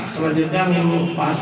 selanjutnya menurut pak jokowi